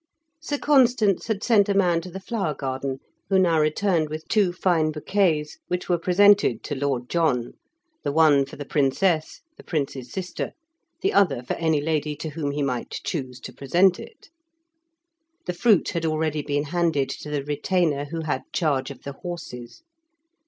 Sir Constans had sent a man to the flower garden, who now returned with two fine bouquets, which were presented to Lord John: the one for the Princess, the Prince's sister; the other for any lady to whom he might choose to present it. The fruit had already been handed to the retainer who had charge of the horses.